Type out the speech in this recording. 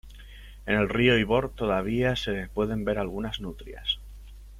En el río Ibor todavía se pueden ver algunas nutrias.